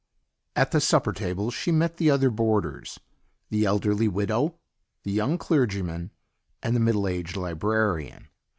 At the supper table she met the other boarders the elderly widow, the young clergyman and the middle aged librarian.